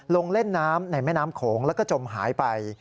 ลงเล่นน้ำในแม่น้ำโขงแล้วก็จมหายไป